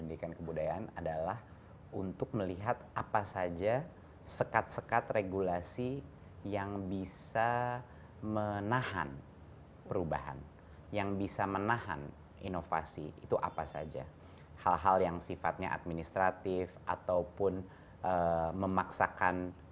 pendidikan kebudayaan adalah untuk melihat apa saja sekat sekat regulasi yang bisa menahan perubahan yang bisa menahan inovasi itu apa saja hal hal yang sifatnya administratif ataupun memaksakan